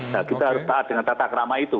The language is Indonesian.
nah kita harus taat dengan tata kerama itu